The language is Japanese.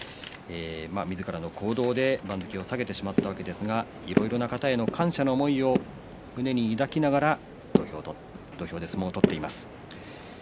みずからの行動で番付を下げてしまったわけですがいろいろな方への感謝の思いを胸に抱きながら土俵で相撲を取っています。